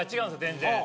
全然。